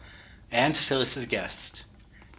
AUNT PHILLIS'S GUEST. ST.